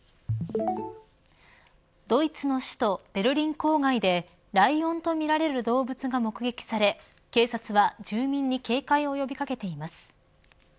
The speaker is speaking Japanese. ドイツの首都ベルリン郊外でライオンとみられる動物が目撃され警察は住民に警戒を呼び掛けています。